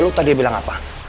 lo tau dia bilang apa